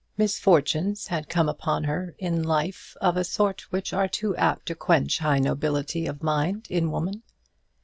Misfortunes had come upon her in life of a sort which are too apt to quench high nobility of mind in woman.